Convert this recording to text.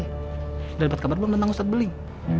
udah lebat kabar belum tentang ustadz beling